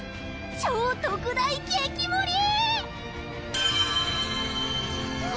超特大激盛り！